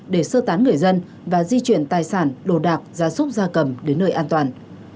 để sơ tán người dân và di chuyển tài sản đồ đạc gia súc gia cầm đến nơi an toàn